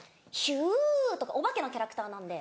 「ひゅ」とかお化けのキャラクターなので。